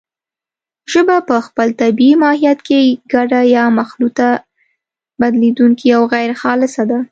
ژبه په خپل طبیعي ماهیت کې ګډه یا مخلوطه، بدلېدونکې او غیرخالصه ده